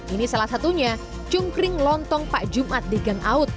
ini salah satunya cungkring lontong pak jumat di gangaut